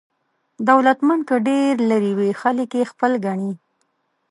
دولتمند که ډېر لرې وي خلک یې خپل ګڼي.